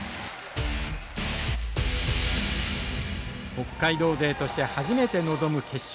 北海道勢として初めて臨む決勝。